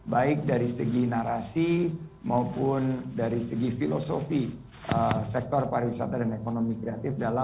baik dari segi narasi maupun dari segi filosofi sektor pariwisata dan ekonomi kreatif